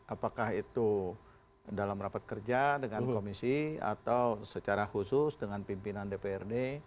apakah itu dalam rapat kerja dengan komisi atau secara khusus dengan pimpinan dprd